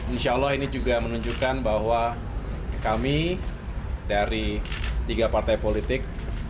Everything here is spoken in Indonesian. insya allah ini juga menunjukkan bahwa kami dari tiga partai politik